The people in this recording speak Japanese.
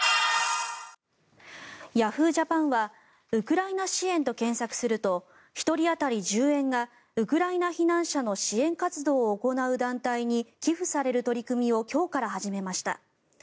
Ｙａｈｏｏ！ＪＡＰＡＮは「ウクライナ支援」と検索すると１人当たり１０円がウクライナ避難者の支援活動を行う団体に寄付される取り組みを今日から始めました。